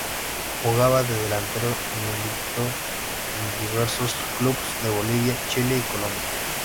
Jugaba de delantero y militó en diversos clubes de Bolivia, Chile y Colombia.